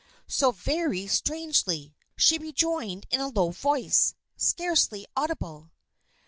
"So very strangely," she rejoined in a low voice, scarcely audible.